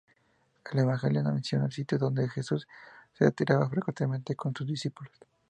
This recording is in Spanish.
El Evangelio menciona el sitio "donde Jesús se retiraba frecuentemente con sus discípulos".